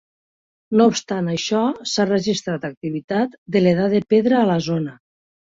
No obstant això, s'ha registrat activitat de l'edat de pedra a la zona.